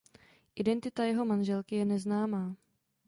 Identita jeho manželky je neznámá.